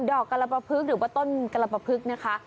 ดอกกระปะพรึกหรือว่าต้นกระปะพรึกนะคะ